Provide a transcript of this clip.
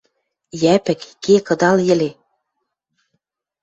Йӓпӹк, ке, кыдал, йӹле!..